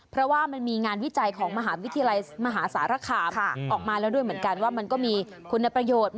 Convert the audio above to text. เพราะว่ามันมีงานวิจัยของมหาวิทยาลัยมหาสารคามออกมาแล้วด้วยเหมือนกันว่ามันก็มีคุณประโยชน์